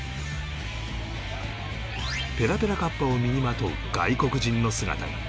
ペラペラカッパを身にまとう外国人の姿が